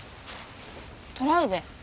トラウベ？